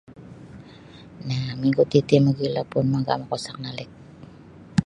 Nah minggu titi mogilo puun mangga maka usak nalik.